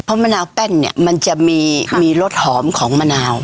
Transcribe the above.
เพราะมะนาวแป้นเนี่ยมันจะมีรสหอมของมะนาว